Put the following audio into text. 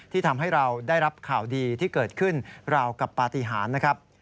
ทำให้เราได้รับข่าวดีที่เกิดขึ้นราวกับปฏิหารนะครับ